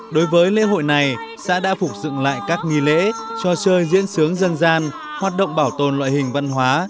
đối với lễ hội này xã đã phục dựng lại các nghi lễ cho chơi diễn sướng dân gian hoạt động bảo tồn loại hình văn hóa